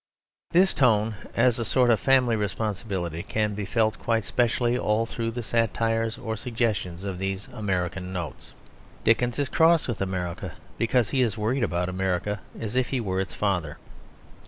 This tone, as a sort of family responsibility, can be felt quite specially all through the satires or suggestions of these American Notes. Dickens is cross with America because he is worried about America; as if he were its father.